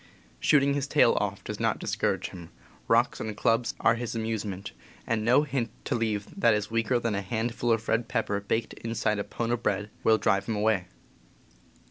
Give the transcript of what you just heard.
Shooting his tail off does not discourage him, rocks and clubs are his amuse ment, and no hint to leave that is weaker than a hand ful of red pepper baked inside a pone o' bread will drive him away.